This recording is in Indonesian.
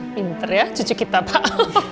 pinter ya cucu kita pak